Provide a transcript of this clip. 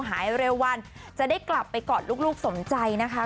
หายเร็ววันจะได้กลับไปกอดลูกสมใจนะคะ